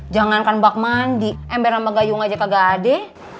jangankan bak mandi ember sama gayung aja kagak ada